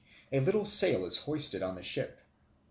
A little sail is hoisted on the ship.